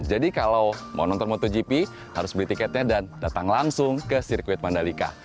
jadi kalau mau nonton motogp harus beli tiketnya dan datang langsung ke sirkuit mandalika